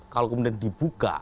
kalau kemudian dibuka